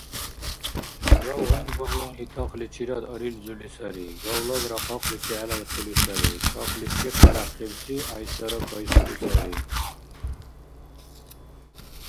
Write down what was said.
Гавгьар багьлали тахличирад арилзули сари, гавлагра къакъличи гӀелайхъули сари, тахличи хъаряхъибси гӀяйсара кайсули сари.